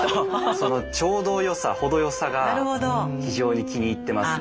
そのちょうどよさほどよさが非常に気に入ってますね。